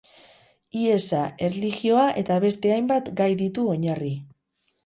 Hiesa, erlijioa eta beste hainbat gai ditu oinarri.